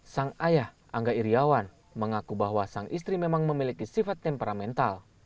sang ayah angga iryawan mengaku bahwa sang istri memang memiliki sifat temperamental